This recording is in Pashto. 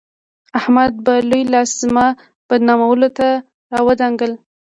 احمد به لوی لاس زما بدنامولو ته راودانګل.